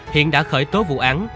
hiện đã khởi tố vụ án